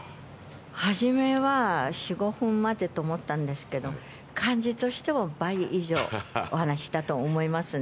初めは４、５分までと思ったんですけど、感じとしては倍以上お話したと思いますね。